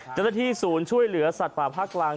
ถึงในสูญช่วยเหลือสัตว์ปะภาคกลาง